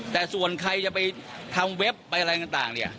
แต่ส่วนใครจะไปทำเว็บไปอะไรต่างเนี่ย